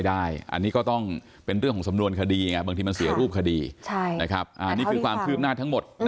อันนี้ก็ต้องเป็นเรื่องของสำนวนคดีไงบางทีมันเสียรูปคดีนะครับอันนี้คือความคืบหน้าทั้งหมด